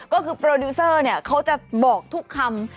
ก็คือโปรดิวเซอร์เขาจะบอกทุกคำ